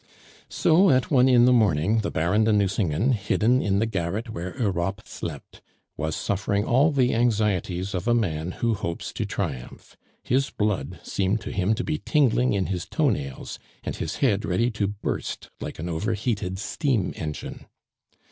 So at one in the morning the Baron de Nucingen, hidden in the garret where Europe slept, was suffering all the anxieties of a man who hopes to triumph. His blood seemed to him to be tingling in his toe nails, and his head ready to burst like an overheated steam engine.